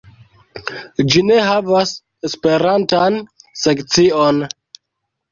Ĝi ne havas esperantan sekcion.